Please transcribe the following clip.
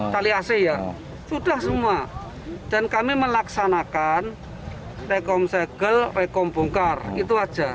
tali ac ya sudah semua dan kami melaksanakan rekom segel rekom bongkar itu aja